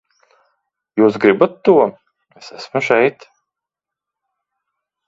Jūs gribat to, es esmu šeit!